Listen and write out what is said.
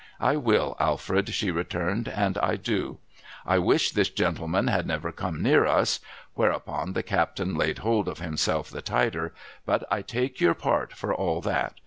' I will, Alfred,' she returned, ' and I do. I wish this gentleman had never come near us ;' whereupon the captain laid hold of himself the tighter ;' but I take your part for all that.